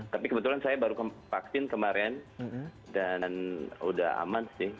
tapi kebetulan saya baru vaksin kemarin dan udah aman sih